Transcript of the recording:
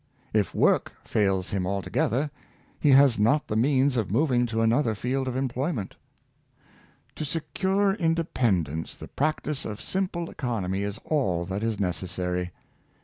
If work fails him altogether, he has not the means of moving to another field of employment To secure independence, the practice ol simple econ omy is all that is necessary.